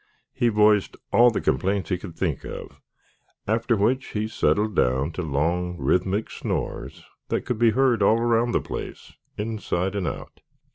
He voiced all the complaints he could think of, after which he settled down to long, rhythmic snores that could be heard all around the place, inside and out.